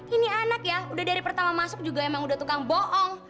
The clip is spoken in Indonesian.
ini anak ya udah dari pertama masuk juga emang udah tukang bohong